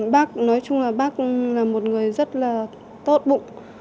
bác nói chung là bác là một người rất là tốt bụng